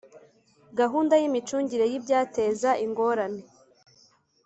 Gahunda y imicungire y ibyateza ingorane